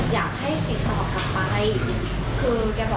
อยากให้ติดต่อออกไป